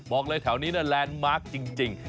บอกเลยแถวนี้แลนด์มาร์คจริง